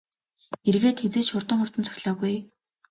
Эргээд хэзээ ч хурдан хурдан цохилоогүй ээ.